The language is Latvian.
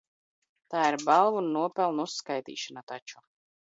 Tā ir balvu un nopelnu uzskaitīšana taču.